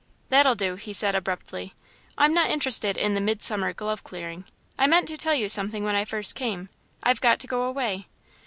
"That'll do," he said, abruptly, "I'm not interested in the 'midsummer glove clearing.' I meant to tell you something when I first came I've got to go away."